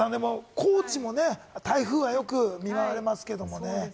高知もね、台風はよく見られますけれどもね。